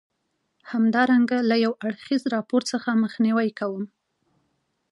همدارنګه له یو اړخیز راپور څخه مخنیوی کوم.